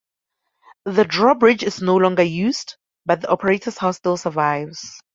The drawbridge is no longer used, but the operator's house still survives.